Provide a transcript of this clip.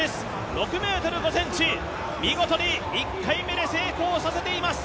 ６ｍ５ｃｍ、見事に１回目で成功させています。